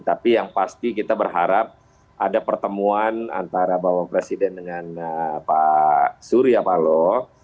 tapi yang pasti kita berharap ada pertemuan antara bapak presiden dengan pak surya paloh